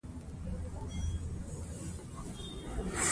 ټیټ ځان باور د ستونزو سبب کېږي.